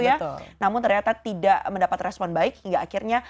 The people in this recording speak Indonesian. seperti menuju ke bawah slu namun ternyata tidak mendapat respon baik hingga akhirnya